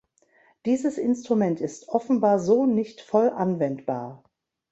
Dieses Instrument ist offenbar so nicht voll anwendbar.